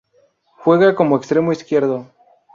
Juega como extremo izquierdo.